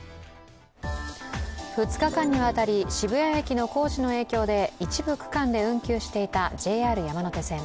２日間にわたり渋谷駅の工事の影響で一部区間で運休していたＪＲ山手線。